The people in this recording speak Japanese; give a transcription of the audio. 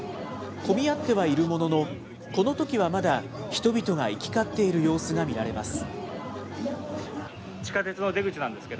混み合ってはいるものの、このときはまだ、人々が行き交っている様子が見られます。